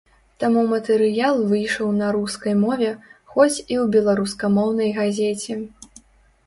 Таму матэрыял выйшаў на рускай мове, хоць і ў беларускамоўнай газеце.